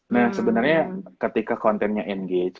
nah sebenernya ketika contentnya engage